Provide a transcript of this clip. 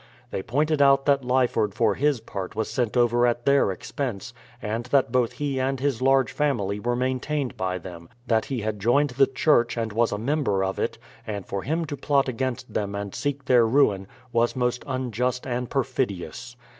They pointed out that Lyford for his part was sent over at their expense, and that both he and his large family were maintained by them; that he had joined the church, and was a member of it; and for him to plot THE PLYMOUTH SETTLEMENT 149 against them and seek their ruin, was most unjust and per fidious.